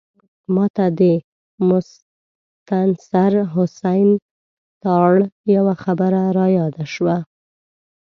ماته د مستنصر حسین تارړ یوه خبره رایاده شوه.